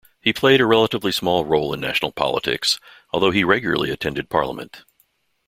He played a relatively small role in national politics, although he regularly attended Parliament.